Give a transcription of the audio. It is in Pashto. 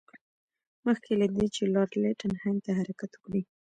مخکې له دې چې لارډ لیټن هند ته حرکت وکړي.